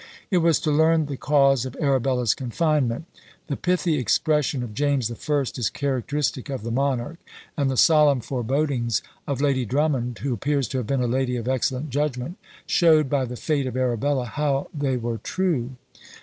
It was to learn the cause of Arabella's confinement. The pithy expression of James the First is characteristic of the monarch; and the solemn forebodings of Lady Drummond, who appears to have been a lady of excellent judgment, showed, by the fate of Arabella, how they were true!